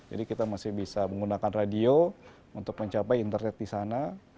jadi kita masih bisa menggunakan radio untuk mencapai internet di sana